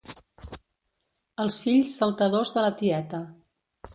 Els fills saltadors de la tieta.